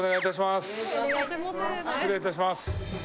失礼いたします